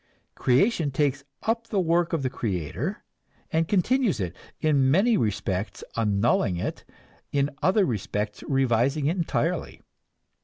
Creation takes up the work of the creator, and continues it, in many respects annulling it, in other respects revising it entirely.